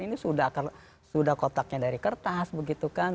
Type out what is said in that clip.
ini sudah kotaknya dari kertas begitu kan